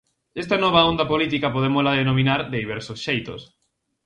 Esta nova onda política podémola denominar de diversos xeitos.